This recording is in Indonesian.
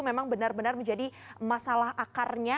memang benar benar menjadi masalah akarnya